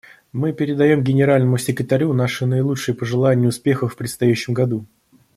Мы передаем Генеральному секретарю наши наилучшие пожелания успехов в предстоящем году.